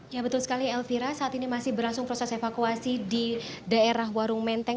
ya betul sekali elvira saat ini masih berlangsung proses evakuasi di daerah warung menteng